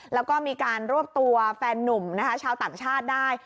แล้วก็มีการรวบตัวแฟนนุ่มนะคะชาวต่างชาติได้